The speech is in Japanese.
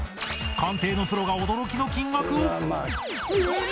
鑑定のプロが驚きの金額を